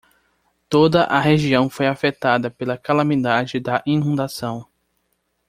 Toda a região foi afetada pela calamidade da inundação.